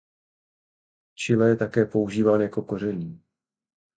V Chile je také používán jako koření.